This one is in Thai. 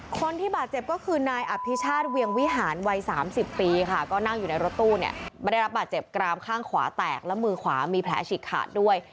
คนที่บาดเจ็บก็คือนายอภิชาติเวียงวิหารวัย๓๐ปีค่ะก็นั่งอยู่ในรถตู้เนี่ยไม่ได้รับบาดเจ็บกรามข้างขวาแตกและมือขวามีแผลฉีกขาดด้วย